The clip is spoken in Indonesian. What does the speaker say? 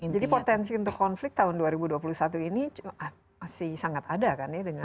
potensi untuk konflik tahun dua ribu dua puluh satu ini masih sangat ada kan ya